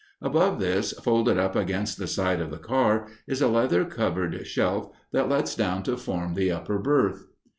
Above this, folded up against the side of the car, is a leather covered shelf that lets down to form the upper berth.